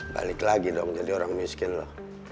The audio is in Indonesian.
balik lagi dong jadi orang miskin loh